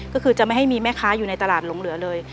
ก็คือจะไม่ให้มีแม่ค้าอยู่ในตลาดหลงเหลือเลย